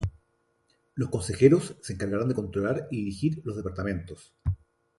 Los consejeros se encargarán de controlar y dirigir los Departamentos.